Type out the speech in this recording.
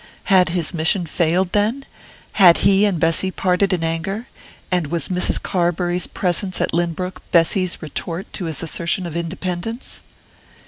Had his mission failed then had he and Bessy parted in anger, and was Mrs. Carbury's presence at Lynbrook Bessy's retort to his assertion of independence?